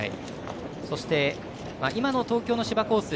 そして今の東京の芝コース